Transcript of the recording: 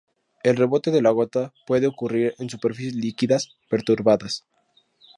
El rebote de la gota puede ocurrir en superficies líquidas perturbadas.